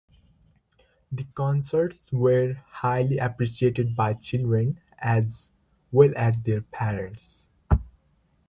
The concerts were highly appreciated by children, as well as their parents.